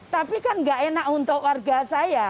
tapi kan gak enak untuk warga saya